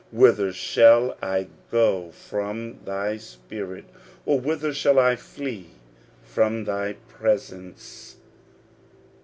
Whither shall I go from thy spirit? Or whither shall I flee from thy presence?"